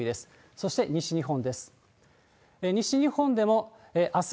そして西日本です。